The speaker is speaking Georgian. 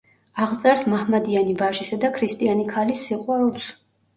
აღწერს მაჰმადიანი ვაჟისა და ქრისტიანი ქალის სიყვარულს.